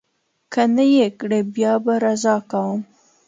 که نه یې کړي، بیا به رضا کوم.